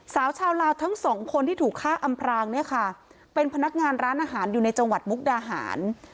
สาวชาวลาวทั้งสองคนที่ถูกฆ่าอำพรางเนี่ยค่ะเป็นพนักงานร้านอาหารอยู่ในจังหวัดมุกดาหาร